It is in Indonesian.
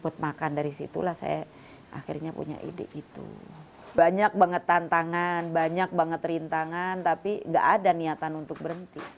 tapi gak ada niatan untuk berhenti